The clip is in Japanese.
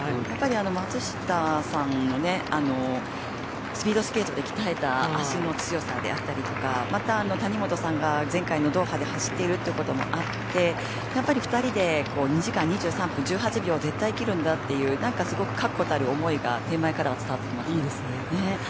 やっぱり松下さんのスピードスケートで鍛えた足の強さであったりとかまた谷本さんが前回のドーハで走っているということもあって、やっぱり２人で２時間２３分１８秒を絶対切るんだっていうすごい確固たる思いが天満屋からは伝わってきます。